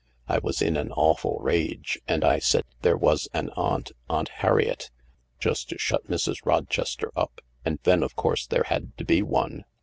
I was in an awful rage. And I said there was an aunt — Aunt Harriet — just to shut Mrs. Rochester up — and then, of course, there had to be one.